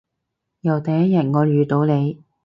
由第一日我遇到你